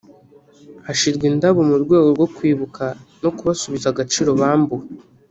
hashirwa indabo mu rwego rwo kubibuka no kubasubiza agaciro bambuwe